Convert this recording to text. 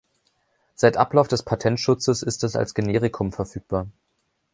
Seit Ablauf des Patentschutzes ist es als Generikum verfügbar.